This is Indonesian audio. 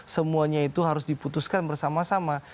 semuanya itu harus diputuskan bersama sama